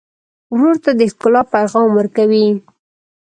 ورور ته د ښکلا پیغام ورکوې.